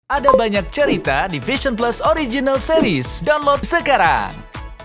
ada banyak cerita di vision plus original series download sekarang